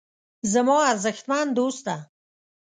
زما ارزښتمن دوسته.